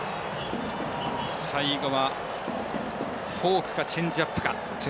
最後はフォークかチェンジアップか。